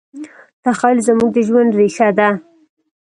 تخیل زموږ د ژوند ریښه ده.